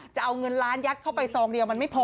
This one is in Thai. จะเอาเงินล้านยัดเข้าไปซองเดียวมันไม่พอ